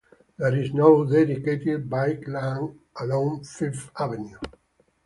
There is no dedicated bike lane along Fifth Avenue.